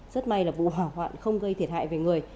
rất may là vụ hỏa hoạn không gây thiệt hại về người